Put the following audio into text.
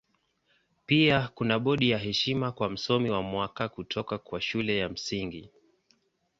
Pia kuna bodi ya heshima kwa Msomi wa Mwaka kutoka kwa Shule ya Msingi.